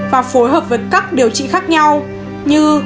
và phối hợp với các điều trị khác nhau như